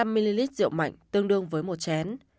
hai mươi năm ml rượu mạnh tương đương với một chén